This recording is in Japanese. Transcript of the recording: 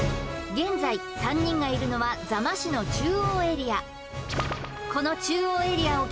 現在３人がいるのは座間市の中央エリア